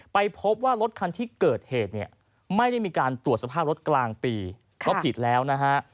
ไปพบว่ารถคันที่เกิดเหตุเนี่ยไม่ได้มีการตรวจสภาพรถกลางปีก็ผิดแล้วนะฮะ